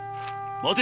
待て！